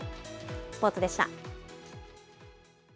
スポーツでした。